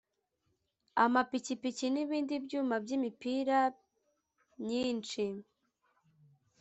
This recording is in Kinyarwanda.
Amapikipiki n’ ibindi byuma by’imipira myinshi